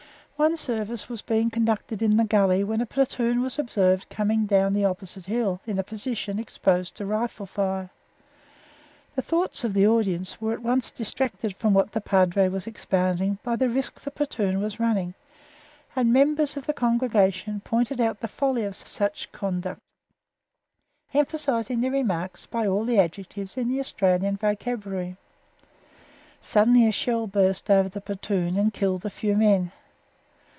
Once service was being conducted in the gully when a platoon was observed coming down the opposite hill in a position exposed to rifle fire. The thoughts of the audience were at once distracted from what the Padre was expounding by the risk the platoon was running; and members of the congregation pointed out the folly of such conduct, emphasizing their remarks by all the adjectives in the Australian vocabulary. Suddenly a shell burst over the platoon and killed a few men.